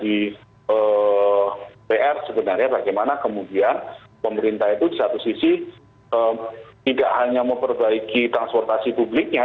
menjadi pr sebenarnya bagaimana kemudian pemerintah itu di satu sisi tidak hanya memperbaiki transportasi publiknya